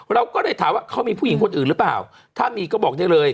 เราก็เลยถามว่าเขามีผู้หญิงคนอื่นหรือเปล่าถ้ามีก็บอกได้เลย